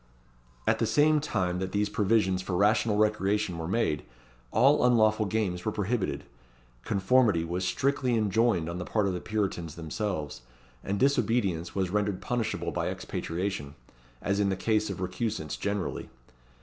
At the same time that these provisions for rational recreation were made, all unlawful games were prohibited. Conformity was strictly enjoined on the part of the Puritans themselves; and disobedience was rendered punishable by expatriation, as in the case of recusants generally.